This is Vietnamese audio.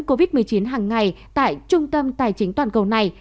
covid một mươi chín hàng ngày tại trung tâm tài chính toàn cầu này